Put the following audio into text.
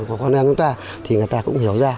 của con em chúng ta thì người ta cũng hiểu ra